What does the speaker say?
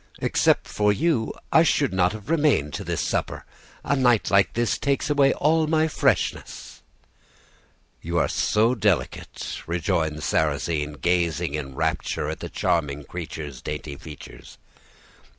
Except for you, I should not have remained to this supper; a night like this takes away all my freshness.' "'You are so delicate!' rejoined Sarrasine, gazing in rapture at the charming creature's dainty features.